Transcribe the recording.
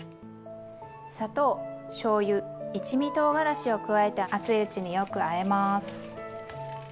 砂糖しょうゆ一味とうがらしを加えて熱いうちによくあえます。